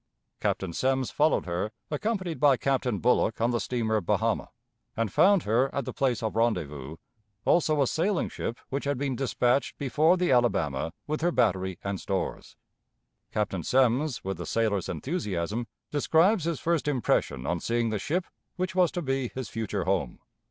Captain Semmes followed her, accompanied by Captain Bullock on the steamer Bahama, and found her at the place of rendezvous, also a sailing ship which had been dispatched before the Alabama with her battery and stores. Captain Semmes, with a sailor's enthusiasm, describes his first impression on seeing the ship which was to be his future home.